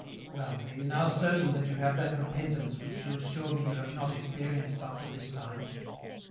" Well, are you now certain that you have that repent ance which you assure me you have not experienced up to this time